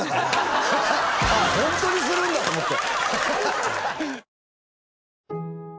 ホントにするんだと思って。